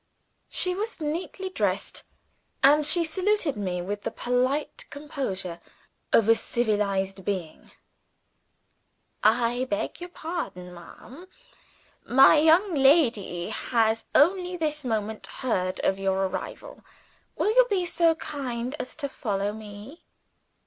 She was neatly dressed, and she saluted me with the polite composure of a civilized being. "I beg your pardon, ma'am. My young lady has only this moment heard of your arrival. Will you be so kind as to follow me?"